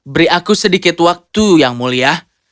beri aku sedikit waktu yang mulia